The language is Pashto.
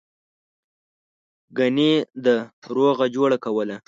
گني ده روغه جوړه کوله.